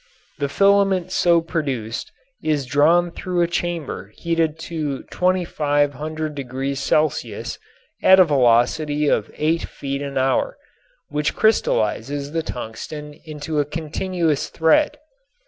The filament so produced is drawn through a chamber heated to 2500° C. at a velocity of eight feet an hour, which crystallizes the tungsten into a continuous thread.